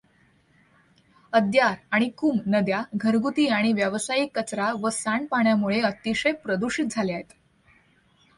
अद्यार आणि कुम नद्या घरगुती आणि व्यावसायिक कचरा व सांडपाण्यामुळे अतिशय प्रदुषित झाल्या आहेत.